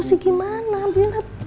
sih gimana minum aduh